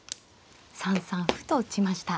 ３三歩と打ちました。